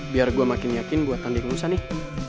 biar gue makin yakin buat tanding lusa nih